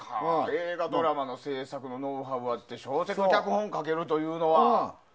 映画、ドラマの制作のノウハウもあって小説、脚本書けるというのは。